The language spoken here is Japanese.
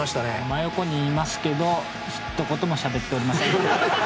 真横にいますけどひと言もしゃべっておりません。